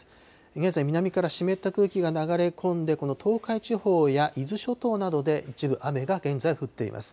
現在、南から湿った空気が流れ込んで、この東海地方や伊豆諸島などで一部雨が現在、降っています。